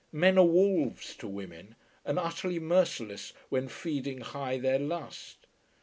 Men are wolves to women, and utterly merciless when feeding high their lust.